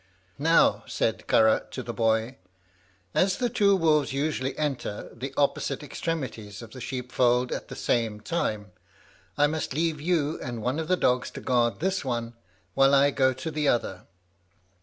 "Now," said Carragh to the boy, "as the two wolves usually enter the opposite extremities of the sheep fold at the same time, I must leave you and one of the dogs to guard this one while I go the other.